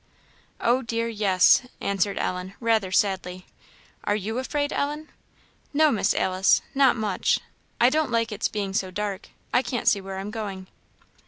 "O dear, yes!" answered Ellen, rather sadly. "Are you afraid, Ellen?" "No, Miss Alice not much I don't like its being so dark; I can't see where I am going."